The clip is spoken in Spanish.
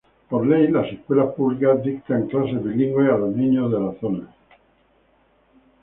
Por ley, las escuelas públicas dictan clases bilingües a los niños de la zona.